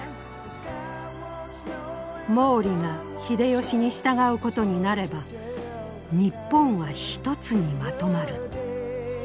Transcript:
「毛利が秀吉に従うことになれば日本は一つにまとまる。